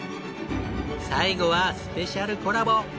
最後はスペシャルコラボ